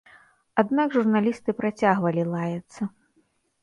Аднак журналісты працягвалі лаяцца.